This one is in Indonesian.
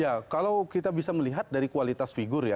ya kalau kita bisa melihat dari kualitas figur ya